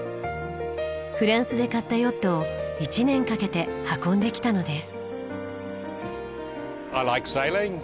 フランスで買ったヨットを１年かけて運んできたのです。